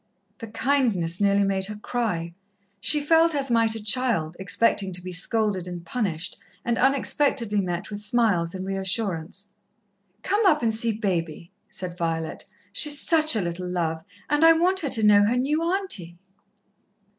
The kindness nearly made her cry. She felt as might a child, expecting to be scolded and punished, and unexpectedly met with smiles and re assurance. "Come up and see Baby," said Violet. "She's such a little love, and I want her to know her new auntie."